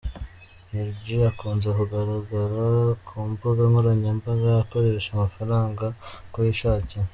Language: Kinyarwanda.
Lil G akunze kugaragara ku mbuga nkoranyambaga akoresha amafaranga uko yishakiye.